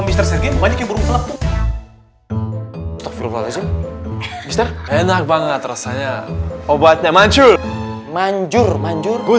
mister sergi banyak burung telep enak banget rasanya obatnya mancur manjur